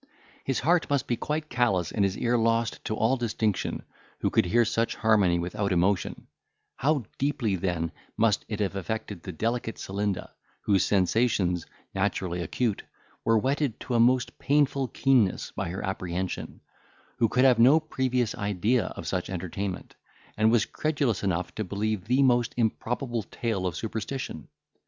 His heart must be quite callous, and his ear lost to all distinction, who could hear such harmony without emotion; how deeply, then, must it have affected the delicate Celinda, whose sensations, naturally acute, were whetted to a most painful keenness by her apprehension; who could have no previous idea of such entertainment, and was credulous enough to believe the most improbable tale of superstition!